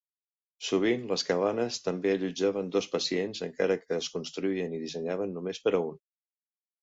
Sovint les cabanes també allotjaven dos pacients, encara que es construïen i dissenyaven només per a un.